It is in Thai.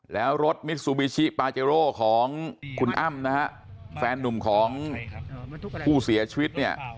แล้วรถมิสุบิชิปาเจโรของคุณอ้ำแฟนนุ่มของผู้เสียชีวิต